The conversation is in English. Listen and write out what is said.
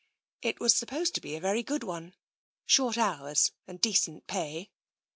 It was supposed to be a very good one — short hours and decent pay.